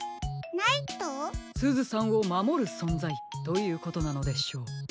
すずさんをまもるそんざいということなのでしょう。